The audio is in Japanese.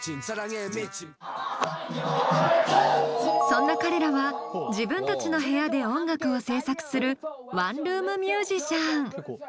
そんな彼らは自分たちの部屋で音楽を制作するワンルーム☆ミュージシャン。